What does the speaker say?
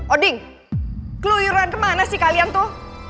odin keluyuran kemana sih kalian tuh hah